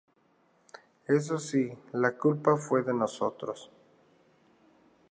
Eso sí, la culpa fue de nosotros.